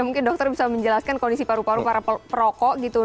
mungkin dokter bisa menjelaskan kondisi paru paru para perokok gitu